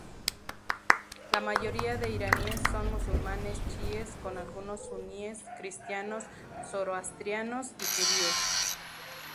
La mayoría de iraníes son musulmanes chiíes, con algunos suníes, cristianos, zoroastrianos, y judíos.